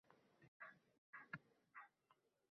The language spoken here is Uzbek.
aql-hushi joyida bo‘lgan insonga to‘g‘ri kelmaydi.